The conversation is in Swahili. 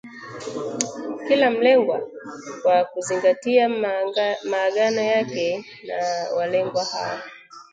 kila mlengwa kwa kuzingatia maagano yake na walengwa hao